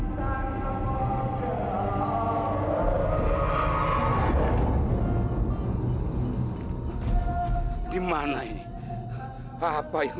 tidak tidak tidak